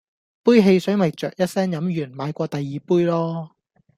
杯汽水咪啅一聲飲完買過第二杯囉